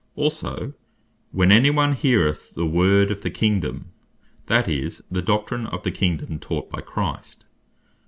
Also (Mat. 13. 19.) "When any one heareth the Word of the Kingdome;" that is, the Doctrine of the Kingdome taught by Christ.